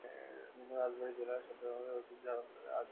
কিন্তু রাজবাড়ী জেলা রাজার সেই ঐতিহ্য ধারণ করে আছে আজো।